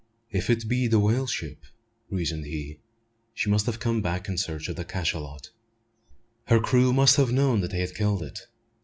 If it be the whale ship, reasoned he, she must have come back in search of the cachalot. Her crew must have known that they had killed it.